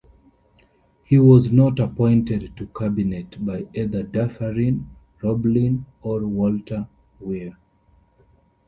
He was not appointed to cabinet by either Dufferin Roblin or Walter Weir.